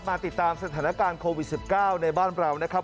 ติดตามสถานการณ์โควิด๑๙ในบ้านเรานะครับ